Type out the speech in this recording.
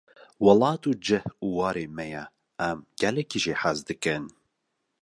Welat cih û ware me ye, em gelekî jê hez dikin.